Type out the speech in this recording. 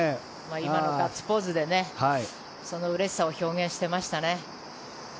今のガッツポーズでそのうれしさを表現していましたね。